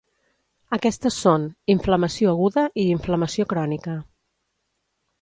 Aquestes són: inflamació aguda i inflamació crònica.